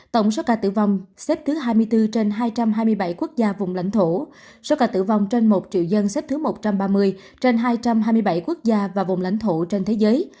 tổng số ca tử vong xếp thứ hai mươi bốn trên hai trăm hai mươi bảy quốc gia vùng lãnh thổ số ca tử vong trên một triệu dân xếp thứ một trăm ba mươi trên hai trăm hai mươi bảy quốc gia và vùng lãnh thổ trên thế giới